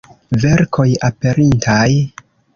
Verkoj aperintaj.